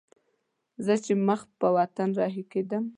زه چې مخ پر وطن رهي کېدم.